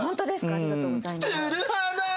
ありがとうございます。